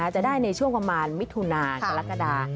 จะได้ในเช่อกระมาณมิถุนาอย่างตรรกฏา